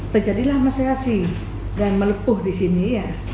terjadilah masyasi dan melepuh di sini ya